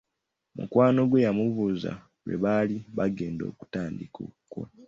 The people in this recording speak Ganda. Mukwano gwe yamubuuza lwe baali bagenda okutandika okukola.